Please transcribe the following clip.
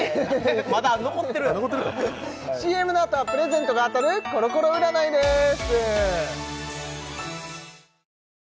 まだ残ってる残ってるかＣＭのあとはプレゼントが当たるコロコロ占いです